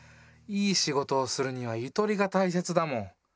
いい仕事をするにはゆとりがたいせつだもん。